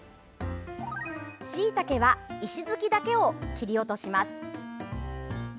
しいたけは石突きだけを切り落とします。